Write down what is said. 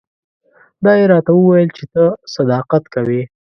دا یې راته وویل چې ته صداقت کوې.